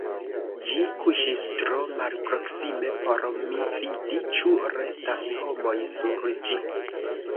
Ĝi kuŝis tro malproksime por mi vidi, ĉu restas homoj sur ĝi.